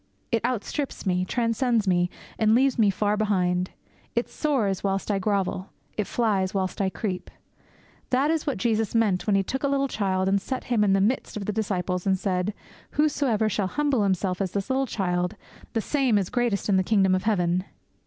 It outstrips me, transcends me, and leaves me far behind. It soars whilst I grovel; it flies whilst I creep. That is what Jesus meant when He took a little child and set him in the midst of the disciples and said, 'Whosoever shall humble himself as this little child, the same is greatest in the kingdom of heaven!'